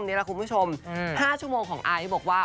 นี่แหละคุณผู้ชม๕ชั่วโมงของไอซ์บอกว่า